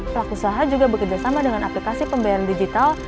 pelaku usaha juga bekerjasama dengan aplikasi pembayaran digital